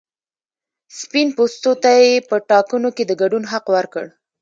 سپین پوستو ته یې په ټاکنو کې د ګډون حق ورکړ.